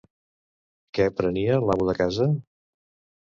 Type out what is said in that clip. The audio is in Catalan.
Què prenia l'amo de casa?